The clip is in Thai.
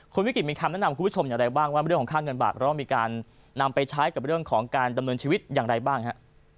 คุณวิกฤตมีคำแนะนำคุณผู้ชมอย่างไรบ้างว่าเรื่องของค่าเงินบาทเรามีการนำไปใช้กับเรื่องของการดำเนินชีวิตอย่างไรบ้างฮะ